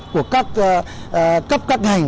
của các cấp các ngành